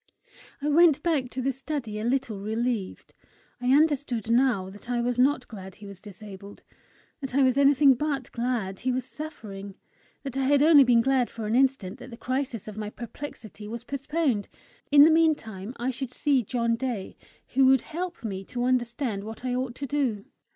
I went back to the study a little relieved. I understood now that I was not glad he was disabled; that I was anything but glad he was suffering; that I had only been glad for an instant that the crisis of my perplexity was postponed. In the meantime I should see John Day, who would help me to understand what I ought to do!